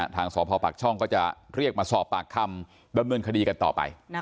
ทางสพปากช่องก็จะเรียกมาสอบปากคำดำเนินคดีกันต่อไป